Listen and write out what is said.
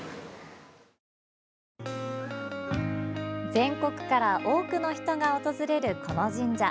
全国から多くの人が訪れるこの神社。